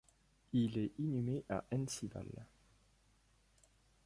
Il est inhumé à Ensival.